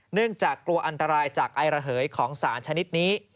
เนื่องจากกลัวอันตรายจากไอระเหยของสารชนิดนี้